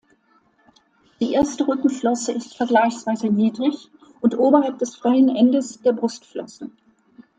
Die erste Rückenflosse ist vergleichsweise niedrig und oberhalb des freien Endes der Brustflossen.